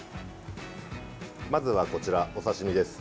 まずは、こちらお刺身です。